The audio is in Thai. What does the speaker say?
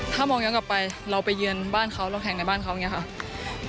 ถ้ามองย้อนกลับไปเราไปเยือนบ้านเขาเราแข่งในบ้านเขาอย่างนี้ค่ะ